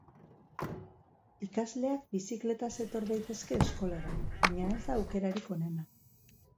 Ikasleak bizikletaz etor daitezke Eskolara, baina ez da aukerarik onena.